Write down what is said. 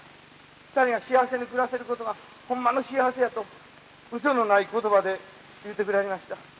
２人が幸せに暮らせることがホンマの幸せや」とうそのない言葉で言うてくれはりました。